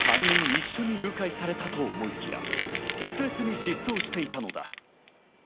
３人一緒に誘拐されたと思いきや別々に失踪していたのだ。